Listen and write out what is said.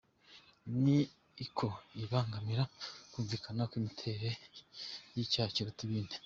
Ni uko ibangamira kwumvikana kw’imiterere y’icyaha kiruta ibindi.